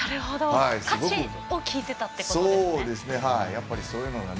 歌詞を聴いてたってことですね。